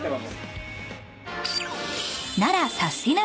［奈良サスティな！